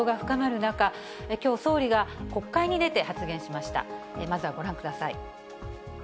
まずはご覧ください。